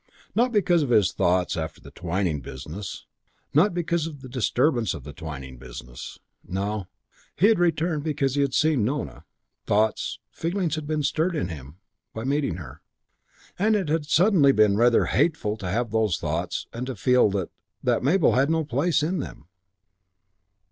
Not because of his thoughts after the Twyning business; not because of the disturbance of the Twyning business. No. He had returned because he had seen Nona. Thoughts feelings had been stirred within him by meeting her. And it had suddenly been rather hateful to have those thoughts and to feel that that Mabel had no place in them.